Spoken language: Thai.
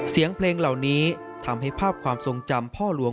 เสียงเพลงเหล่านี้ทำให้ภาพความทรงจำพ่อหลวง